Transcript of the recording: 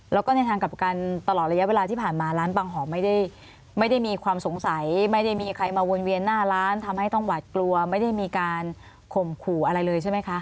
แล้วก็ในทางกลับกันตลอดระยะเวลาที่ผ่านมาร้านปังหอมไม่ได้มีความสงสัยไม่ได้มีใครมาวนเวียนหน้าร้านทำให้ต้องหวาดกลัวไม่ได้มีการข่มขู่อะไรเลยใช่ไหมคะ